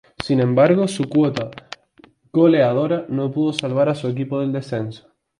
Sin embargo su cuota goleadora no pudo salvar a su equipo del descenso.